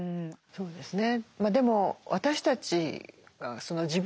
そうですね。